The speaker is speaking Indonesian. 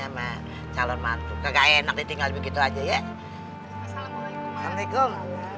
sama calon mantu kakak enak ditinggal begitu aja ya assalamualaikum